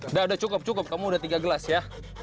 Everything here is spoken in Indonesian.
udah ada cukup cukup kamu udah tiga gelas ya